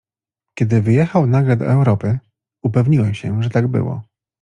"Kiedy wyjechał nagle do Europy, upewniłem się, że tak było."